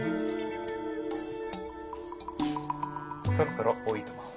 そろそろおいとまを。